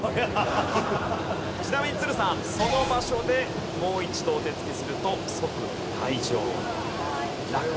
ちなみに都留さんその場所でもう一度お手つきすると即退場落第です。